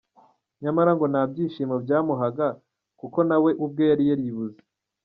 Nyamara ngo nta byishimo byamuhaga, kuko nawe ubwe yari yaribuze.